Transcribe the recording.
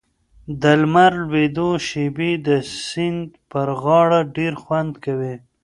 د لمر لوېدو شېبې د سیند پر غاړه ډېر خوند کوي.